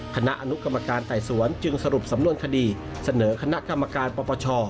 คณะอนุกรรมการไต่สวนจึงสรุปสำนวนคดีเสนอคณะกรรมการปปช